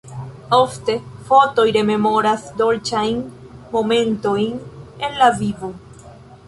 Ofte fotoj rememoras dolĉajn momentojn el la vivo.